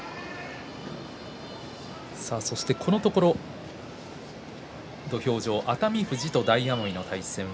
このところ土俵上、熱海富士と大奄美の対戦。